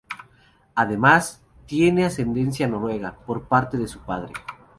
Además, tiene ascendencia noruega por parte de su padre.